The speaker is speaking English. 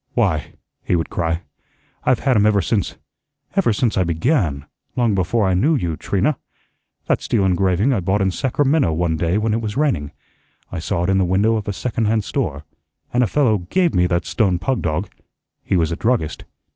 "Why," he would cry, "I've had 'em ever since ever since I BEGAN; long before I knew you, Trina. That steel engraving I bought in Sacramento one day when it was raining. I saw it in the window of a second hand store, and a fellow GAVE me that stone pug dog. He was a druggist.